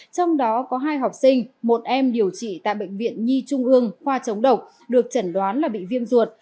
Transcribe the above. trong đó có hai học sinh một em điều trị tại bệnh viện nhi trung ương khoa chống độc được chẩn đoán là bị viêm ruột